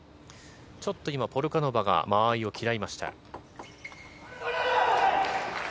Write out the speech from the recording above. ちょっと今ポルカノバが間合いを嫌いました。